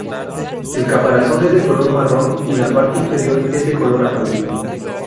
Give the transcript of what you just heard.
El caparazón es de color marrón y la parte inferior es de color amarillo.